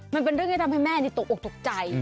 มันเป็นเรื่องที่ทำให้แม่นี่ตกออกตกใจ